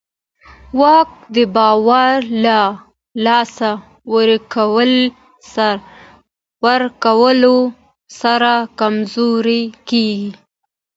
واک د باور له لاسه ورکولو سره کمزوری کېږي.